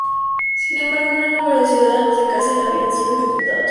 Sin embargo, un gran número de ciudadanos de Kassel habían sido ejecutados.